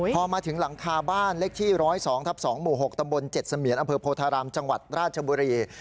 พอมาถึงหลังคาบ้านเลขที่๑๐๒ทับ๒หมู่๖ตำบล๗เสมียนอำเภอโพธารามจังหวัดราชบุรี